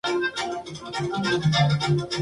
Fue el comienzo de una larga amistad.